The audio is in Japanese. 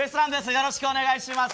よろしくお願いします。